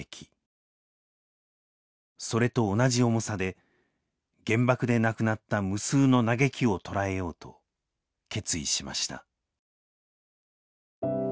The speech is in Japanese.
それと同じ重さで原爆で亡くなった「無数の嘆き」をとらえようと決意しました。